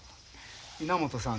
稲本さん